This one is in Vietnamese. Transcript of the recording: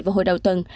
vào hồi đầu tuần